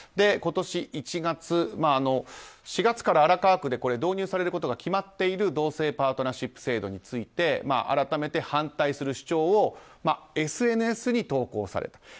今年１月４月から荒川区で導入されることが決まっている同性パートナーシップ制度について改めて反対する主張をＳＮＳに投稿された。